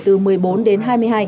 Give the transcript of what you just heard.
từ một mươi bốn đến hai mươi hai